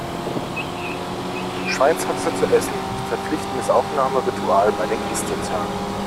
Schweinshaxe zu essen, ist verpflichtendes Aufnahmeritual bei den Christsozialen.